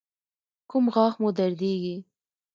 کوم غاښ مو دردیږي؟